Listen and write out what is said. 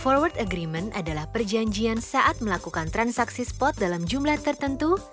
forward agreement adalah perjanjian saat melakukan transaksi spot dalam jumlah tertentu